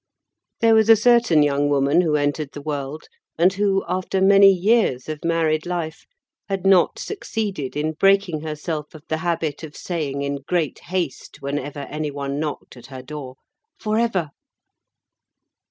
There was a certain young woman who entered the world, and who after many years of married life had not succeeded in breaking herself of the habit of saying in great haste whenever any one knocked at her door, "forever!"